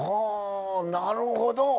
なるほど！